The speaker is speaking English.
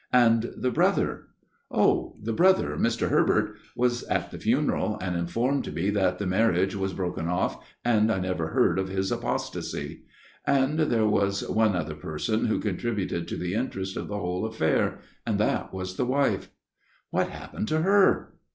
" And the brother ?"" Oh ! the brother Mr. Herbert was at the funeral, and informed me that the marriage was broken off, and I never heard of his apostacy. And there was one other person who contributed to the interest of the whole affair, and that was /the wife." " What happened to her